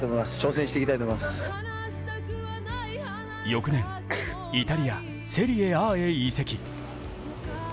翌年、イタリアセリエＡへ移籍。